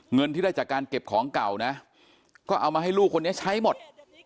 เงินที่ได้จากการเก็บของเก่านะก็เอามาให้ลูกคนนี้ใช้หมด